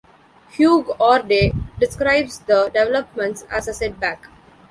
Hugh Orde describes the developments as a setback.